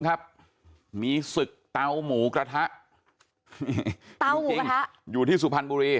ครับมีศึกเตาหมูกระทะเตาหมูกระทะอยู่ที่สุพรรณบุรี